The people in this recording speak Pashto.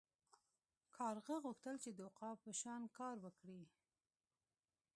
کارغه غوښتل چې د عقاب په شان کار وکړي.